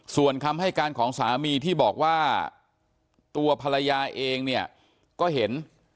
ส่วนคำให้การของสามีที่บอกว่าตัวภรรยาเองเนี่ยก็เห็น